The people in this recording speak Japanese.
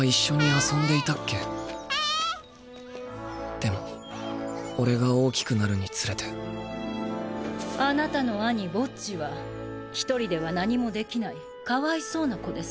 でも俺が大きくなるにつれてあなたの兄ボッジは一人では何もできないかわいそうな子です。